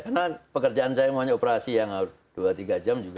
karena pekerjaan saya mau operasi yang dua tiga jam juga